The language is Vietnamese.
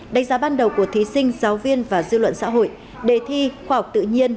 đánh giá ban đầu của thí sinh giáo viên và dư luận xã hội đề thi khoa học tự nhiên